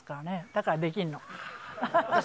だからできるの。